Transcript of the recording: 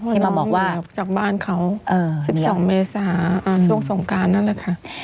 ที่มาบอกว่าจากบ้านเขา๑๒เมษาช่วงสงการนั่นแหละค่ะ